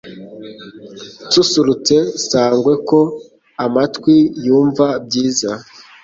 Nsusurutse Sangwe Ko amatwi yunva byiza,